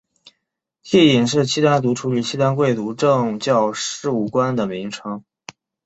惕隐是契丹族处理契丹贵族政教事务官的名称。